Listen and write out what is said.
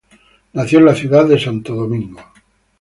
Nació en la ciudad de Santo Domingo.